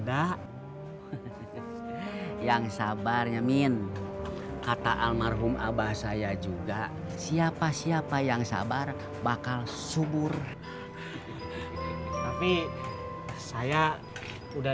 enggak yang sabar nyemin kata almarhum abah saya juga siapa siapa yang sabar bakal subur tapi saya udah